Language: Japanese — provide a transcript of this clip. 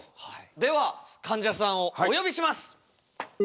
ではかんじゃさんをお呼びします。